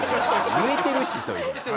言えてるしそれ！